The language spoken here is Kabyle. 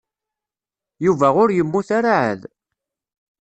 Yuba ur yemmut ara εad.